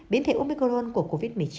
biến thể omicron của covid một mươi chín